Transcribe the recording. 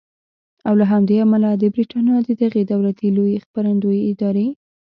او له همدې امله د بریټانیا د دغې دولتي لویې خپرندویې ادارې